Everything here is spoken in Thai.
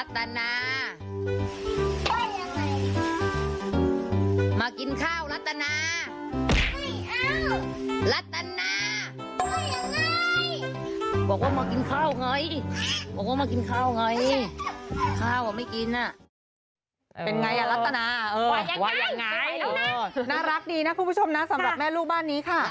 ดีนะผู้ชมนะสำหรับแม่ลูกบ้านนี้ค่ะ